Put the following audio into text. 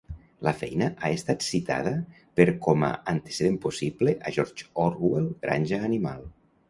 La feina ha estat citada per com a antecedent possible a George Orwell Granja Animal.